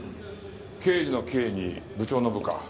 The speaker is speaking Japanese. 刑事の刑に部長の部か。